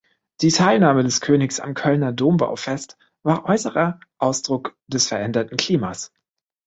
Die Teilnahme des Königs am Kölner Dombau-Fest war äußerer Ausdruck des veränderten Klimas.